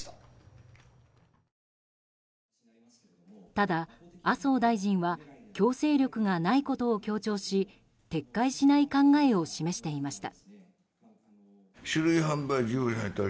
ただ、麻生大臣は強制力がないことを強調し撤回しない考えを示していました。